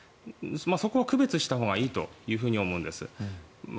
そこは区別したほうがいいと思うんです。